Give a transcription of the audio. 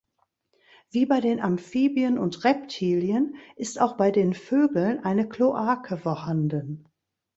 Wie bei den Amphibien und Reptilien ist auch bei den Vögeln eine Kloake vorhanden.